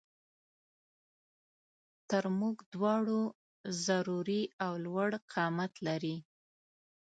تر مونږ دواړو ضروري او لوړ قامت لري